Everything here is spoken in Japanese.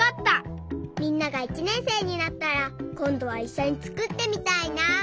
みんなが１ねんせいになったらこんどはいっしょにつくってみたいな。